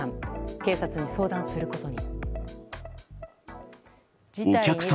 警察に相談することに。